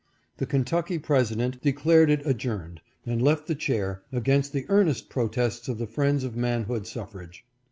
The Kentucky president declared it adjourned, and left the chair, against the earnest protests of the friends of manhood suffrage.